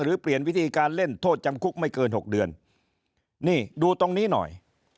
หรือเปลี่ยนวิธีการเล่นโทษจำคุกไม่เกินหกเดือนนี่ดูตรงนี้หน่อย